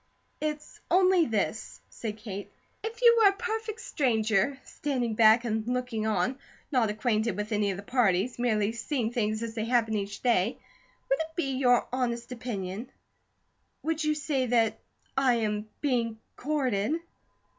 "It's only this," said Kate: "If you were a perfect stranger, standing back and looking on, not acquainted with any of the parties, merely seeing things as they happen each day, would it be your honest opinion would you say that I am being COURTED?"